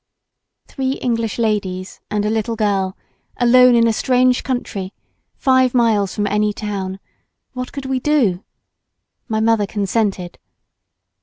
Three English ladies and a little girl alone in a strange country, five miles from any town, what could we do? My mother consented.